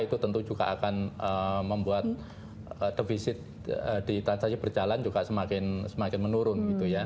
itu tentu juga akan membuat defisit di transaksi berjalan juga semakin menurun gitu ya